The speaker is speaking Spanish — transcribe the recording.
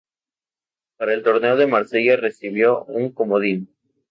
Para el Torneo de Marsella, recibió un comodín.